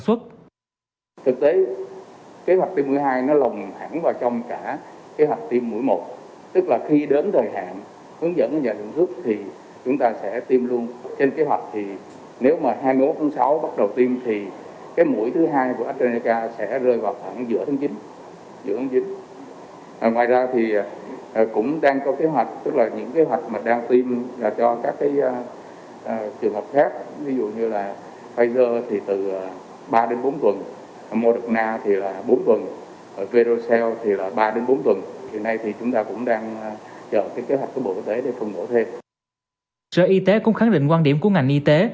sở y tế cũng khẳng định quan điểm của ngành y tế